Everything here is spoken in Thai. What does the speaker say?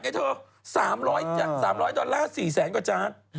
หนึ่งหมื่นกว่าบาทไงเธอ๓๐๐ดอลลาร์๔๐๐กว่าจาน